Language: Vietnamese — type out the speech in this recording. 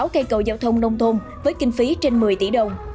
bảy mươi sáu cây cầu giao thông nông thôn với kinh phí trên một mươi tỷ đồng